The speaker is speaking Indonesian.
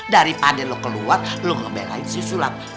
daripada lu keluar lu ngebelain si sulap